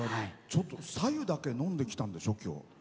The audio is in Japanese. さ湯だけ飲んできたんでしょ、今日。